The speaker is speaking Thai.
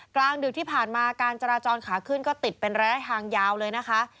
กลางดึกที่ผ่านมาการจราจรขาขึ้นก็ติดเป็นระยะทางยาวเลยนะคะ